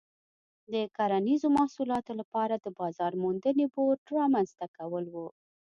د کرنیزو محصولاتو لپاره د بازار موندنې بورډ رامنځته کول و.